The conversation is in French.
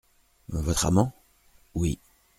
Votre amant ? Oui.